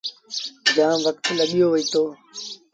جآم وکت لڳيو وهيٚتو۔